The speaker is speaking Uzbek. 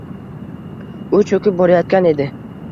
U cho‘kib borayotgan edi.